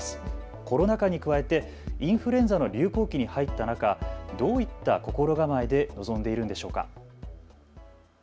コロナ禍にに加えてインフルエンザの流行期に入った中、どういった心構えで臨んでいるんでしょうか。